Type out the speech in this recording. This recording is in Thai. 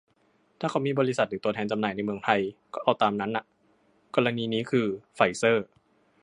ถ้าเขามีบริษัทหรือตัวแทนจำหน่ายในเมืองไทย ก็เอาตามนั้นอ่ะ กรณีนี้คือ "ไฟเซอร์"